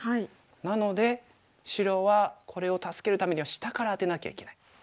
なので白はこれを助けるためには下からアテなきゃいけない。